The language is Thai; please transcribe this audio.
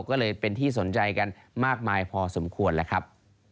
ก็เลยเป็นที่สนใจกันมากมายพอสมควรแล้วครับ